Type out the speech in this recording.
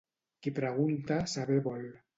Qui pregunta, saber vol.